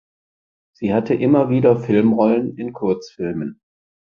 Sie hatte immer wieder Filmrollen in Kurzfilmen.